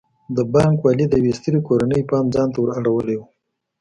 د بانک والۍ د یوې سترې کورنۍ پام ځان ته ور اړولی و.